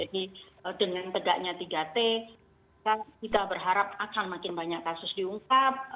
jadi dengan tegaknya tiga t kita berharap akan makin banyak kasus diungkap